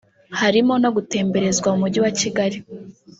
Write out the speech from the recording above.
harimo no gutemberezwa mu mujyi wa Kigali